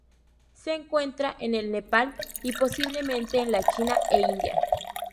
Se encuentra en el Nepal y, posiblemente en la China e India.